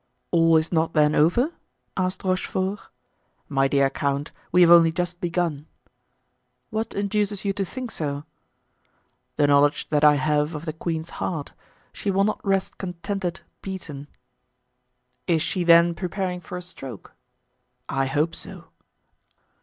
"All is not then over?" asked Rochefort. "My dear count, we have only just begun." "What induces you to think so?" "The knowledge that I have of the queen's heart; she will not rest contented beaten." "Is she, then, preparing for a stroke?" "I hope so."